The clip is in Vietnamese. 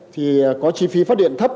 thì có chi phí phát điện thấp